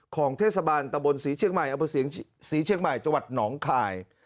ของเทศบาลตะบนศรีเชียงใหม่อำเภอศรีเชียงใหม่จังหวัดหนองคาย